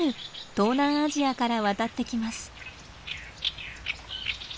東南アジアから渡ってきます。